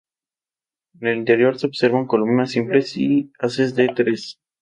En el interior se observan columnas simples y haces de tres.